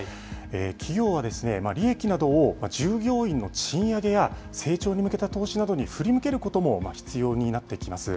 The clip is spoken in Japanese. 企業は、利益などを従業員の賃上げや成長に向けた投資などに振り向けることも必要になってきます。